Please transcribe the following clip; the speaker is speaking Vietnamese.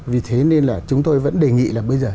vì thế nên là chúng tôi vẫn đề nghị là bây giờ